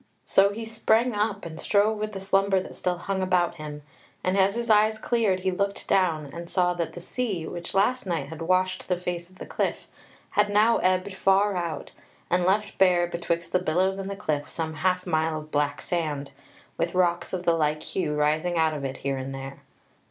So he sprang up and strove with the slumber that still hung about him, and as his eyes cleared he looked down, and saw that the sea, which last night had washed the face of the cliff, had now ebbed far out, and left bare betwixt the billows and the cliff some half mile of black sand, with rocks of the like hue rising out of it here and there.